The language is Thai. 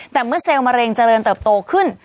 แต่เมื่อเซลล์มะเร็งเจริญเติบโตขึ้น